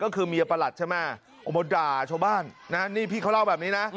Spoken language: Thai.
ก็คือเมียประหลัดใช่ไหมออกมาด่าชาวบ้านนะนี่พี่เขาเล่าแบบนี้นะ